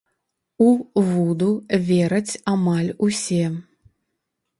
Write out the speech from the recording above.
У вуду вераць амаль усе.